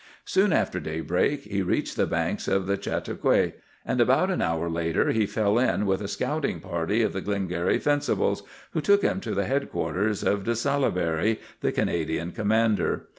"Soon after daybreak he reached the banks of the Chateauguay, and about an hour later he fell in with a scouting party of the Glengarry Fencibles, who took him to the headquarters of De Salaberry, the Canadian commander.